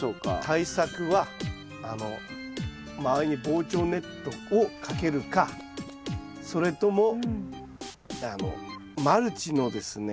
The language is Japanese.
対策はあの周りに防鳥ネットをかけるかそれともあのマルチのですね